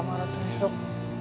tidak ada yang hidup